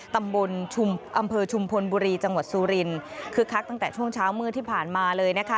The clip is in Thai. ตำบลชุมอำเภอชุมพลบุรีจังหวัดสุรินคึกคักตั้งแต่ช่วงเช้ามืดที่ผ่านมาเลยนะคะ